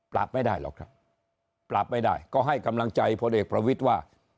ไม่ได้หรอกครับปราบไม่ได้ก็ให้กำลังใจพลเอกประวิทย์ว่า